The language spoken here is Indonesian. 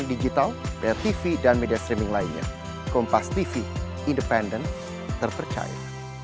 digital bayar tv dan media streaming lainnya kompas tv independen terpercaya